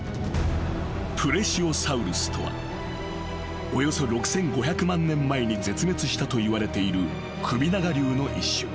［プレシオサウルスとはおよそ６，５００万年前に絶滅したといわれている首長竜の一種］